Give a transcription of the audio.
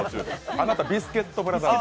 あなた、ビスケットブラザーズ。